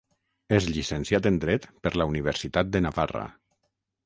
És llicenciat en Dret per la Universitat de Navarra.